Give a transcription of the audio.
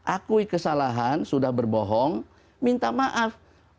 akui kesalahan sudah berbohong minta maaf